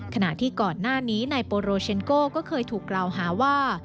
ขณะที่ก่อนหน้านี้นายโปโรเชนโก้ก็เคยถูกกล่าวหาว่า